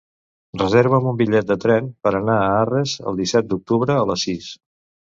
Reserva'm un bitllet de tren per anar a Arres el disset d'octubre a les sis.